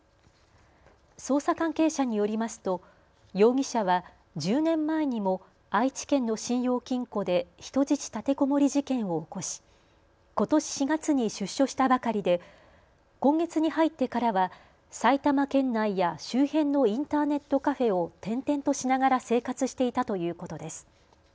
捜査関係者によりますと容疑者は１０年前にも愛知県の信用金庫で人質立てこもり事件を起こしことし４月に出所したばかりで今月に入ってからは埼玉県内や周辺のインターネットカフェを転々としながら生活していたということです。